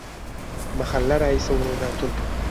Mahalla raisi o`rnidan turdi